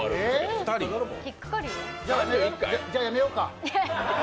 じゃあ、やめようか？